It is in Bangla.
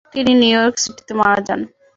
তিনি নিউইয়র্ক সিটিতে মারা যান।